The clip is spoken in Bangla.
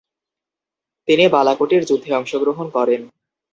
তিনি বালাকোটের যুদ্ধে অংশগ্রহণ করেন।